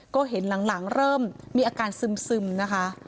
ก็เห็นหลังเริ่มมีอาการซึมนะคะ